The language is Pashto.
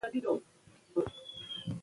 ماشومانو په ځیر ځیر ورته کتله